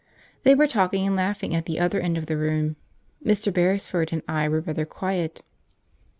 They were talking and laughing at the other end of the room; Mr. Beresford and I were rather quiet.